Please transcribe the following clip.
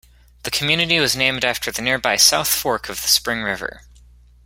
The community was named after the nearby South Fork of the Spring River.